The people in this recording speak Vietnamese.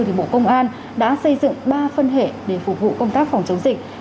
thì bộ công an đã xây dựng ba phân hệ để phục vụ công tác phòng chống dịch